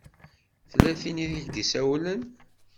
Tella tin i ak-d-isawlen.